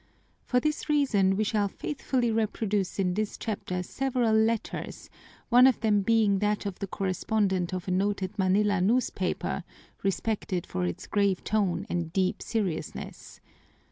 For this reason we shall faithfully reproduce in this chapter several letters, one of them being that of the correspondent of a noted Manila newspaper, respected for its grave tone and deep seriousness.